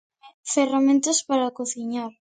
Ferramentas para cociñar.